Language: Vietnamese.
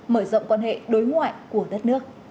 mở rộng quan hệ đối ngoại của đất nước